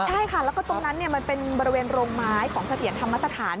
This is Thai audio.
ใช่ค่ะแล้วก็ตรงนั้นมันเป็นบริเวณโรงไม้ของเสถียรธรรมสถาน